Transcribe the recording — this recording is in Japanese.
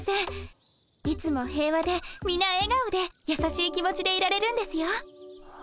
いつも平和でみな笑顔でやさしい気持ちでいられるんですよ。